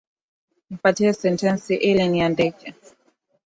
Nipatie sentensi ili niandike